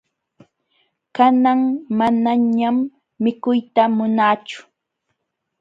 Kanan manañam mikuyta munaachu.